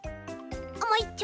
もういっちょ！